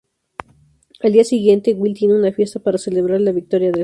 Al día siguiente, Will tiene una fiesta para celebrar la victoria del juego.